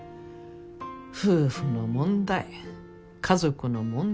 夫婦の問題家族の問題